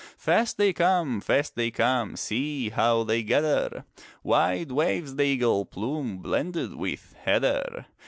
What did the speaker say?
Fast they come, fast they come; See how they gather! Wide waves the eagle plume. Blended with heather.